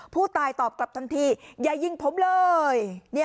ผู้ตายตอบกลับทันทีอย่ายิงผมเลย